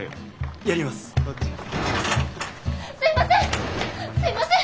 すいません！